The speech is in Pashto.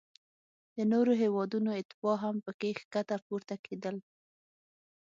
د نورو هیوادونو اتباع هم پکې ښکته پورته کیدل.